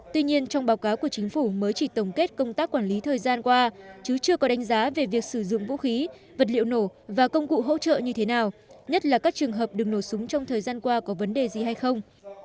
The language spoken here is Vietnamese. tuy nhiên trong báo cáo của chính phủ mới chỉ tổng kết công tác quản lý thời gian qua chứ chưa có đánh giá về việc sử dụng vũ khí vật liệu nổ và công cụ hỗ trợ như thế nào nhất là các trường hợp đừng nổ súng trong thời gian qua có vấn đề gì hay không